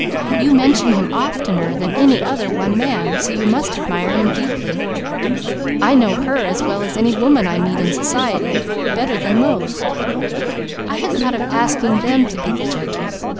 You mention him oftener than any other one man, so you must admire him deeply; I know her as well as any woman I meet in society, better than most; I had thought of asking them to be the judges.